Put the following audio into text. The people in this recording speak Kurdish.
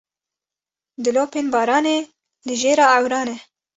Dilopên baranê li jêra ewran e.